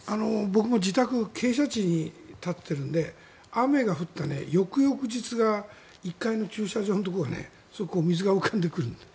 僕も自宅、傾斜地に建ててるので雨が降った翌々日が１階の駐車場のところがそこに水が浮かんでくる。